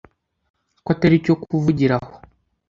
ko atari icyo kuvugira aho